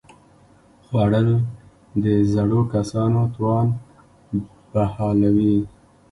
خوړل د زړو کسانو توان بحالوي